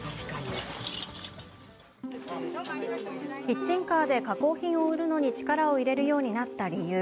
キッチンカーで加工品を売るのに力を入れるようになった理由。